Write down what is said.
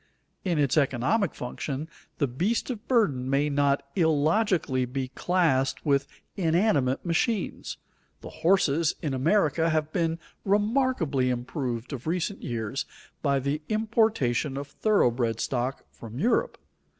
In its economic function the beast of burden may not illogically be classed with inanimate machines. The horses in America have been remarkably improved of recent years by the importation of thoroughbred stock from Europe.